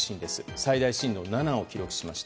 最大震度７を記録しました。